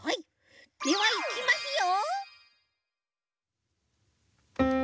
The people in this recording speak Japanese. ではいきますよ！